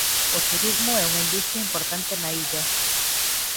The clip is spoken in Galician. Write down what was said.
O turismo é unha industria importante na illa.